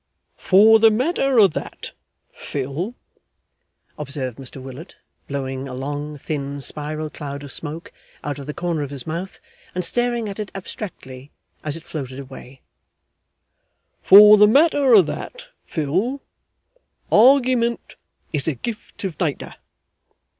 'For the matter o' that, Phil!' observed Mr Willet, blowing a long, thin, spiral cloud of smoke out of the corner of his mouth, and staring at it abstractedly as it floated away; 'For the matter o' that, Phil, argeyment is a gift of Natur.